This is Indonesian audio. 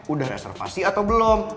udah reservasi atau belum